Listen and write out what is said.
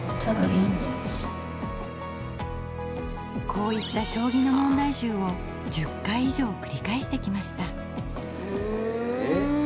こういった将棋の問題集を１０回以上繰り返してきました。